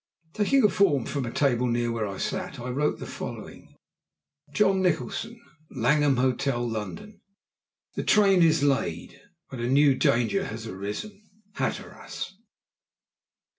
Taking a form from a table near where I sat, I wrote the following: "John Nicholson, "Langham Hotel, London. "The train is laid, but a new danger has arisen. "HATTERAS."